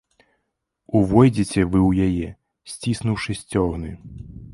Увойдзеце вы ў яе, сціснуўшы сцёгны.